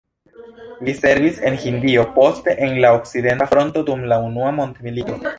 Li servis en Hindio, poste en la okcidenta fronto dum la unua mondmilito.